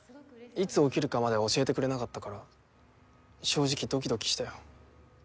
いつ起きるかまでは教えてくれなかったから正直ドキドキしたよ。